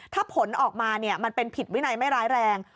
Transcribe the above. ถ้าผลออกมามันเป็นผิดวินัยไม่ร้ายแรง